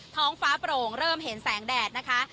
ท้องฟ้าโปร่งเริ่มเห็นแสงแดดนะคะ